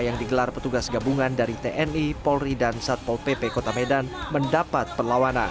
yang digelar petugas gabungan dari tni polri dan satpol pp kota medan mendapat perlawanan